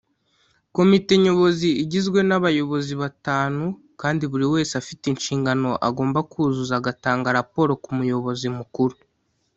Komite Nyobozi igizwe n’ Abayobozi batanu kandi buri wese afite inshingano agomba kuzuza agatanga raporo ku muyobozi mukuru.